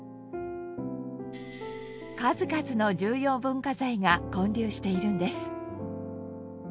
数々の重要文化財が建立しているんです。